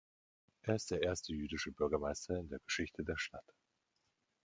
Er ist der erste jüdische Bürgermeister in der Geschichte der Stadt.